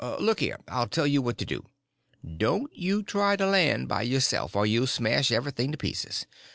Look here, I'll tell you what to do. Don't you try to land by yourself, or you'll smash everything to pieces.